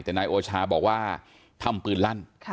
แต่นายโอชาบอกว่าทำปืนลั่น